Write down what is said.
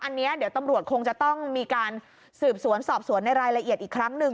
อันนี้เดี๋ยวตำรวจคงจะต้องมีการสืบสวนสอบสวนในรายละเอียดอีกครั้งหนึ่ง